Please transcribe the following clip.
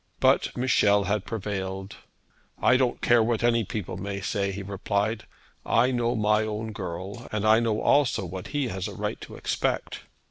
But Michel had prevailed. 'I don't care what any people may say,' he replied. 'I know my own girl; and I know also what he has a right to expect.'